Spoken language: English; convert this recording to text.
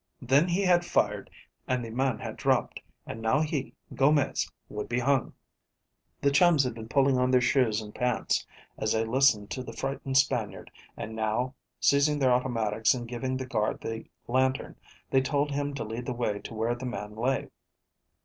Then he had fired and the man had dropped, and now he, Gomez, would be hung." The chums had been pulling on their shoes and pants as they listened to the frightened Spaniard, and now seizing their automatics and giving the guard the lantern, they told him to lead the way to where the man lay.